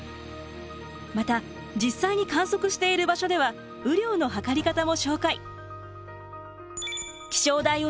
また実際に観測している場所では雨量のはかり方も紹介。